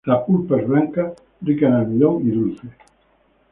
La pulpa es blanca, rica en almidón y dulce.